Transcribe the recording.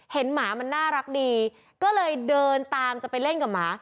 หมามันน่ารักดีก็เลยเดินตามจะไปเล่นกับหมา